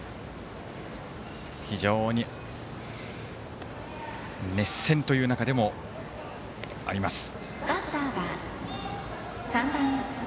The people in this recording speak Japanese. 非常に熱戦という中でもあります。